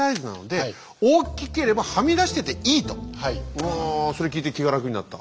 うわそれ聞いて気が楽になった。